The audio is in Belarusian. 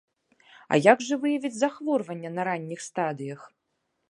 А як жа выявіць захворванне на ранніх стадыях?